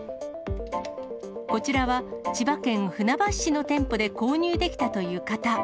こちらは、千葉県船橋市の店舗で購入できたという方。